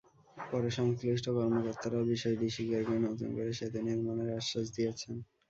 পরে সংশ্লিষ্ট কর্মকর্তারাও বিষয়টি স্বীকার করে নতুন করে সেতু নির্মাণের আশ্বাস দিয়েছেন।